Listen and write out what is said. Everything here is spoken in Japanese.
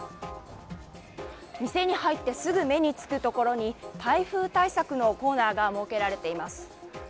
店に入ってすぐ目につくところに台風対策のコーナーが設けられています。